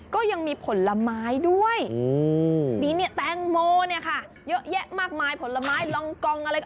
ก็ยังมีผลไม้ด้วยมีเนี่ยแตงโมเนี่ยค่ะเยอะแยะมากมายผลไม้ลองกองอะไร